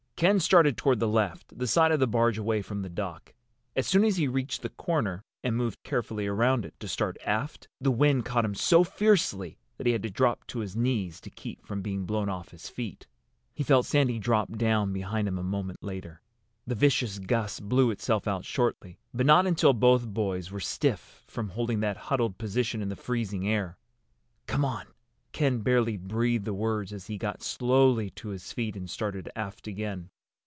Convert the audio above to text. Ken started toward the left—the side of the barge away from the dock. As soon as he reached the corner and moved carefully around it, to start aft, the wind caught him so fiercely that he had to drop to his knees to keep from being blown off his feet. He felt Sandy drop down behind him a moment later. The vicious gust blew itself out shortly, but not until both boys were stiff from holding that huddled position in the freezing air. "Come on." Ken barely breathed the words as he got slowly to his feet and started aft again.